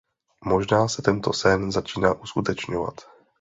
Možná se tento sen začíná uskutečňovat.